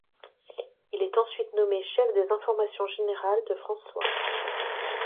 Il est ensuite nommé chef des informations générales de France Soir.